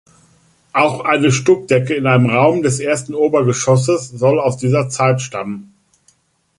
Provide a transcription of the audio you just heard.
Auch eine Stuckdecke in einem Raum des ersten Obergeschosses soll aus dieser Zeit stammen.